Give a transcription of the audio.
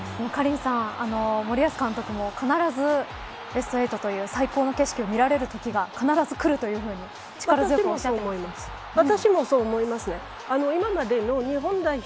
カリンさん、森保監督も必ずベスト８という最高の景色を見られるときが必ず来ると力強くおっしゃってました。